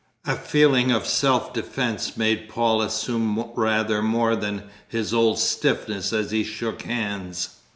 A feeling of self defence made Paul assume rather more than his old stiffness as he shook hands.